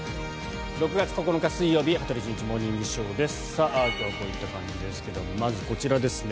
６月９日、水曜日「羽鳥慎一モーニングショー」。今日はこういった感じですけどまずこちらですね。